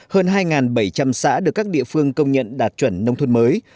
hơn hai bảy trăm linh xã được các địa phương công nhận đạt chuẩn nông thôn mới